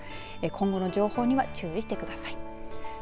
今後の情報には注意してください。